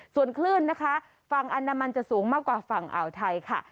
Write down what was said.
ส่วนคลื่นนะคะฝั่งอนามันจะสูงมากกว่าฝั่งอ่าวไทยค่ะ